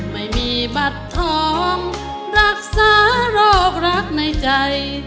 ไม่มีบัตรทองรักษาโรครักในใจ